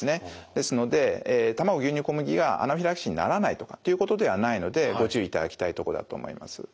ですので卵牛乳小麦がアナフィラキシーにならないとかっていうことではないのでご注意いただきたいとこだと思います。